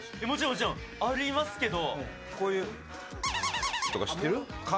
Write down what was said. もちろんありますけど。